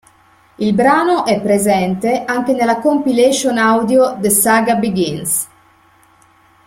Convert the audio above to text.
Il brano è presente anche nella compilation audio "The Saga Begins.